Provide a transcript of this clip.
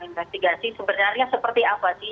investigasi sebenarnya seperti apa sih